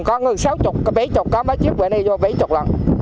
chứ còn có ngư sáu mươi có bảy mươi có mấy chiếc vệ này vô bảy mươi lần